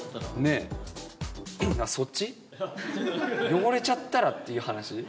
汚れちゃったらっていう話？